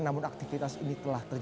namun aktivitas ini telah terjadi